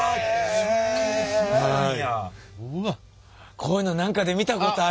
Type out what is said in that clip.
こういうの何かで見たことある！